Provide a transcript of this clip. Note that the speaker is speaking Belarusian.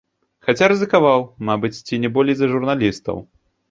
Хаця рызыкаваў, мабыць, ці не болей за журналістаў.